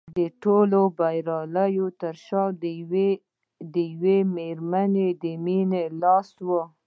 د ټولو د بریاوو تر شا د یوې مېرمنې د مینې لاس و